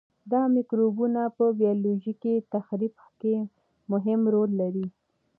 دا مکروبونه په بیولوژیکي تخریب کې مهم رول لري.